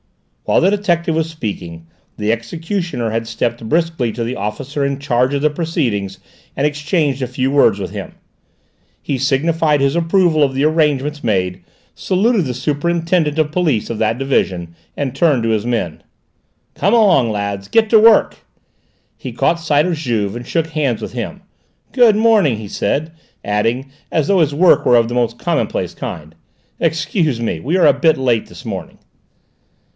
While the detective was speaking, the executioner had stepped briskly to the officer in charge of the proceedings and exchanged a few words with him. He signified his approval of the arrangements made, saluted the superintendent of police of that division, and turned to his men. "Come along, lads; get to work!" He caught sight of Juve and shook hands with him. "Good morning," he said, adding, as though his work were of the most commonplace kind: "Excuse me: we are a bit late this morning!"